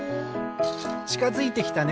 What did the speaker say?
ちかづいてきたね。